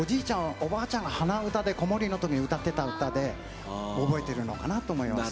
おばあちゃんが鼻歌で子守の時に歌ってた歌で覚えているのかなと思いますね。